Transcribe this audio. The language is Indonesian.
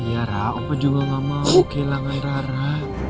iya ra opa juga gak mau kehilangan rara